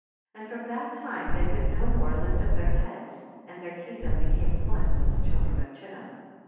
9. And from that time they could no more lift up their heads, and their kingdom became one with the child ren of Chittim.